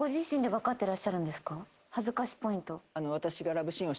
恥ずかしポイント。